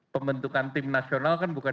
pembentukan tim nasional kan bukan